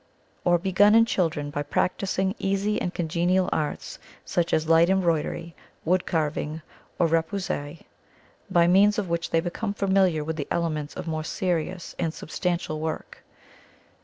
Or begun in children by practicing easy and congenial arts, such as light embroidery, wood carving or repoussé, by means of which they become familiar with the elements of more serious and substantial work.